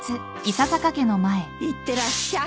・いってらっしゃい。